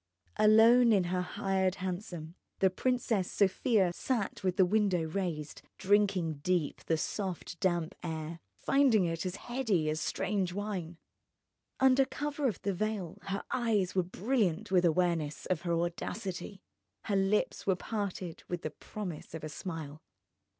Alone in her hired hansom the Princess Sofia sat with the window raised, drinking deep of the soft damp air, finding it as heady as strange wine. Under cover of the veil her eyes were brilliant with awareness of her audacity, her lips were parted with the promise of a smile.